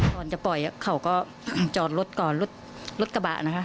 ก่อนจะปล่อยเขาก็จอดรถก่อนรถกระบะนะคะ